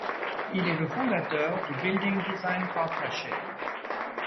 Il est le fondateur du Building Design Partnership.